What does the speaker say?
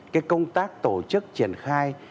cái công tác tổ chức triển khai